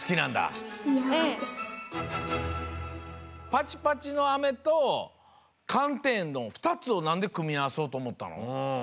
パチパチのアメと寒天の２つをなんでくみあわそうとおもったの？